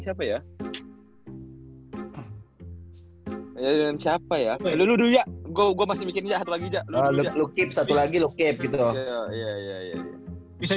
siapa ya siapa ya dulu ya gua masih bikin satu lagi lukip satu lagi lukip gitu bisa